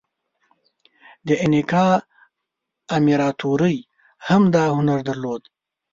د اینکا امپراتورۍ هم دا هنر درلود.